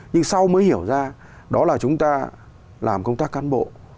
nhưng sau mới hiểu ra đó là chúng ta làm công tác cán bộ